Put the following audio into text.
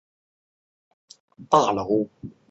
阿勒玛斯大楼的摩天大楼。